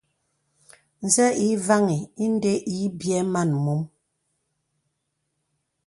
Nzə̄ ǐ vaŋì inde ǐ byɛ̌ man mom.